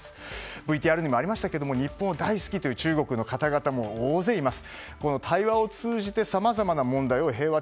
ＶＴＲにもありましたが日本大好きという中国の方々も大勢います。